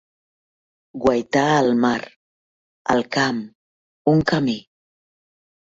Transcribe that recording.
Guaitar el mar, el camp, un camí.